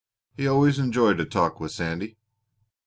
He always enjoyed a talk with Sandy.